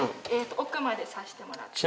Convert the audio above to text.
奥まで挿してもらって。